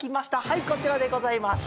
はいこちらでございます！